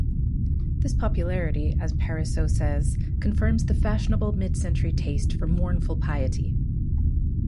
This popularity, as Parisot says, confirms the fashionable mid-century taste for mournful piety.